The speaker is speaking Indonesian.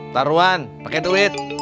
taruhan pakai duit